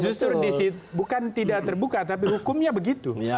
justru bukan tidak terbuka tapi hukumnya begitu